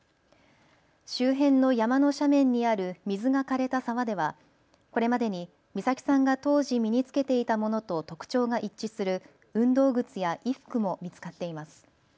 周辺の山の斜面にある水がかれた沢では、これまでに美咲さんが当時身に着けていたものと特徴が一致する運動靴や衣服も見つかっています。